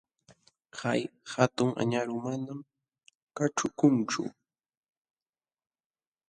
Hay hatun añaru manam kaćhukunchu.